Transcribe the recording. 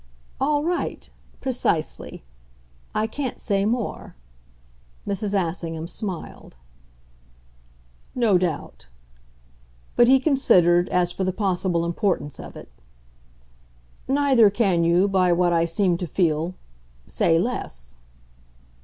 "All right precisely. I can't say more," Mrs. Assingham smiled. "No doubt." But he considered, as for the possible importance of it. "Neither can you, by what I seem to feel, say less."